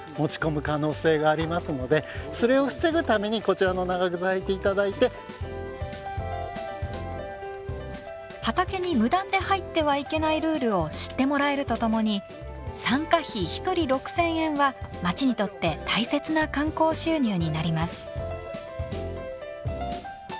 ちょっと畑に無断で入ってはいけないルールを知ってもらえるとともに参加費１人６，０００円は町にとって大切な観光収入になります。